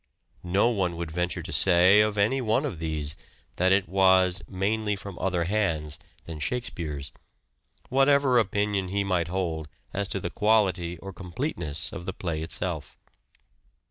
No one would venture to say of any one of these that it was " mainly from other hands " than Shakespeare's, whatever opinion he might hold as to the quality or complete ness of the play itself.